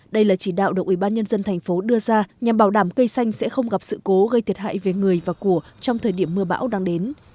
đây là chỉ đạo được ủy ban nhân dân thành phố đưa ra nhằm bảo đảm cây xanh sẽ không gặp sự cố gây thiệt hại về người và của trong thời điểm mưa bão đang đến